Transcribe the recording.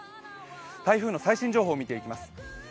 台風の最新情報見ていきます。